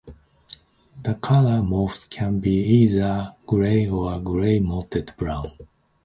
The color morphs can be either grey or grey mottled brown.